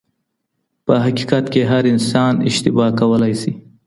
په حقیقت کي هر انسان اشتباه کولای سي.